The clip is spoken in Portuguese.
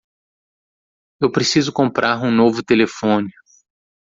Eu preciso comprar um novo telefone.